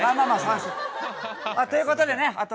ということでね後